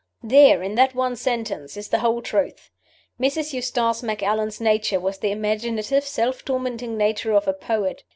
There, in that one sentence, is the whole truth! Mrs. Eustace Macallan's nature was the imaginative, self tormenting nature of a poet.